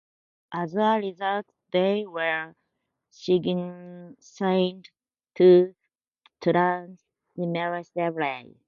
As a result, they were signed to Transmission Records.